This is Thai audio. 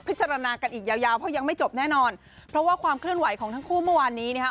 จารณากันอีกยาวยาวเพราะยังไม่จบแน่นอนเพราะว่าความเคลื่อนไหวของทั้งคู่เมื่อวานนี้นะคะ